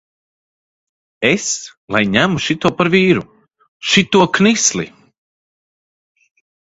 Es lai ņemu šito par vīru, šito knisli!